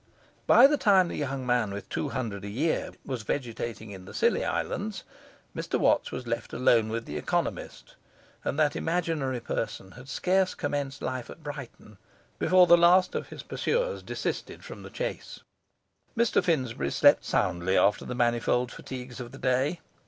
By the time the young man with two hundred a year was vegetating in the Scilly Islands, Mr Watts was left alone with the economist; and that imaginary person had scarce commenced life at Brighton before the last of his pursuers desisted from the chase. Mr Finsbury slept soundly after the manifold fatigues of the day.